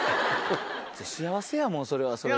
幸せやもんそれはそれで。